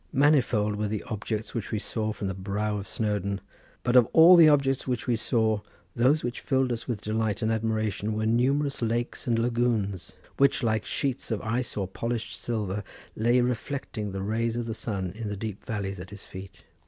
Manifold were the objects which we saw from the brow of Snowdon, but of all the objects which we saw, those which filled us with most delight and admiration, were numerous lakes and lagoons, which, like sheets of ice or polished silver, lay reflecting the rays of the sun in the deep valleys at his feet.